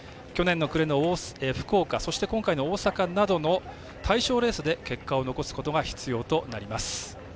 去年の暮れの福岡そして今回の大阪などの対象レースで結果を残すことが必要となります。